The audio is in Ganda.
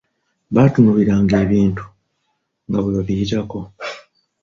Baatunuuliranga ebintu nga bwe babiyitako.